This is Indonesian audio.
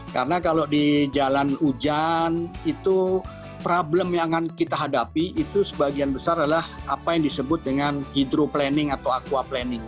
karena kalau di jalan hujan itu problem yang akan kita hadapi itu sebagian besar adalah apa yang disebut dengan hidro planning atau aqua planning